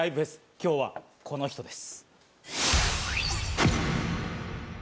今日はこの人です。